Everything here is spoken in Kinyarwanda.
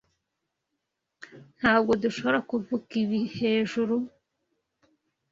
Ntabwo dushobora kuvuga ibi hejuru?